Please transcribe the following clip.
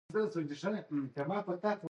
لفظونه خو لومړى په نارينه ټولنه کې